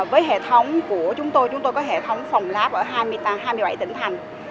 với hệ thống của chúng tôi chúng tôi có hệ thống phòng lab ở hai mươi bảy tỉnh thành